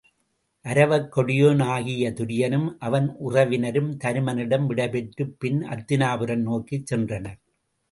அரவக் கொடியோன் ஆகிய துரியனும் அவன் உறவினரும் தருமனிடம் விடை பெற்றுப் பின் அத்தினாபுரம் நோக்கிச் சென்றனர்.